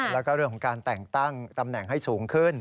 แล้วก็เรื่องของการแต่งตั้งตำแหน่งให้สูงขึ้น